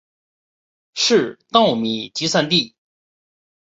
是稻米集散地。